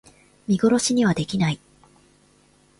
見殺しにはできない